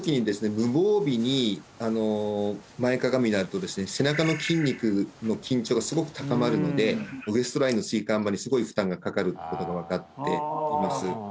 無防備に前かがみになるとですね背中の筋肉の緊張がすごく高まるのでウエストラインの椎間板にすごい負担がかかることが分かっています